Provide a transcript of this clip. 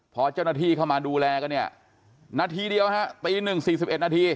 พอเจ้าหน้าที่เข้ามาดูแลก็เนี้ยนาทีเดียวฮะตีหนึ่งสี่สิบเอ็ดนาที